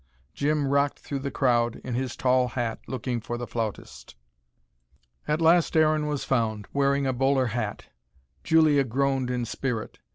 Jim rocked through the crowd, in his tall hat, looking for the flautist. At last Aaron was found wearing a bowler hat. Julia groaned in spirit.